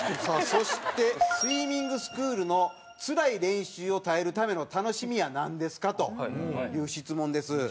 そして「スイミングスクールのつらい練習を耐えるための楽しみはなんですか？」という質問です。